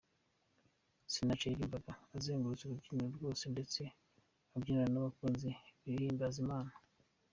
Sinach yaririmbaga azenguruka urubyiniro rwose ndetse abyinana n’abakunzi b’izihimbaza Imana.